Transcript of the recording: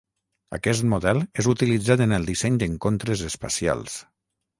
Aquest model és utilitzat en el disseny d'encontres espacials.